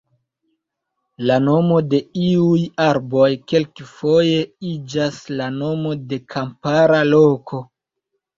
La nomo de iuj arboj kelkfoje iĝas la nomo de kampara loko.